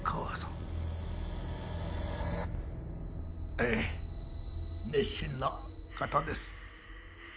ええ熱心な方です。